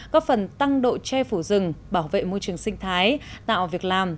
góp phần tăng độ che phủ rừng bảo vệ môi trường sinh thái tạo việc làm